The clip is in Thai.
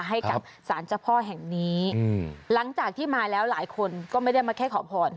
ให้กับสารเจ้าพ่อแห่งนี้หลังจากที่มาแล้วหลายคนก็ไม่ได้มาแค่ขอพร